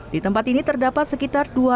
di tempat ini terdapat sekitar